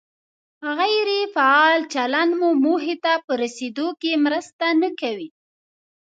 غیر فعال چلند مو موخې ته په رسېدو کې مرسته نه کوي.